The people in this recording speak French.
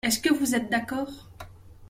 Est-ce que vous êtes d’accord?